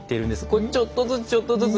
これちょっとずつちょっとずつ。